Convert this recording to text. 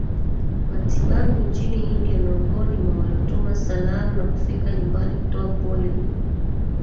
matibabu nchini India Miongoni mwa waliotuma salamu na kufika nyumbani kutoa pole ni